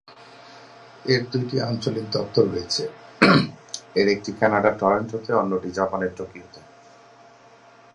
এর দুইটি আঞ্চলিক দপ্তর রয়েছে, এর একটি কানাডার টরন্টোতে এবং অন্যটি জাপানের টোকিওতে।